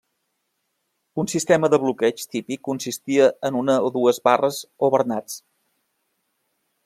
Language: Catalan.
Un sistema de bloqueig típic consistia en una o dues barres o bernats.